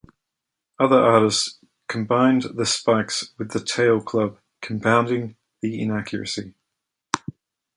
Other artists combined the spikes with the tail club, compounding the inaccuracy.